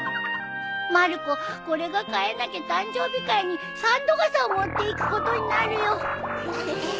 まる子これが買えなきゃ誕生日会に三度がさを持っていくことになるよ！